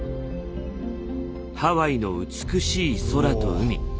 ハワイの美しい空と海。